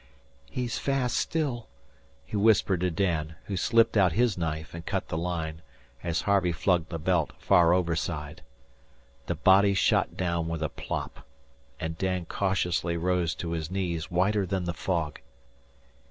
"He's fast still," he whispered to Dan, who slipped out his knife and cut the line, as Harvey flung the belt far overside. The body shot down with a plop, and Dan cautiously rose to his knees, whiter than the fog.